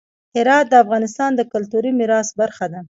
هرات د افغانستان د کلتوري میراث برخه ده.